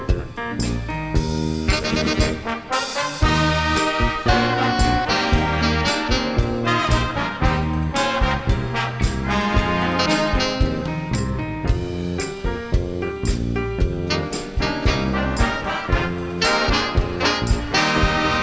เพลินที่สุดท้ายฟังไก่ประสานเสียงกัน